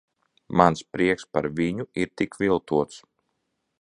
Mans prieks par viņu ir tik viltots.